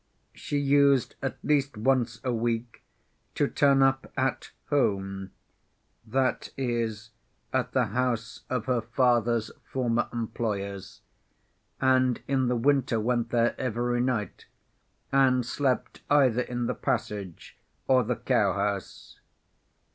She used at least once a week to turn up "at home," that is at the house of her father's former employers, and in the winter went there every night, and slept either in the passage or the cowhouse.